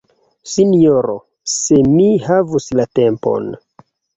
Sinjoro, se mi havus la tempon!